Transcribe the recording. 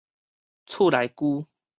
厝內龜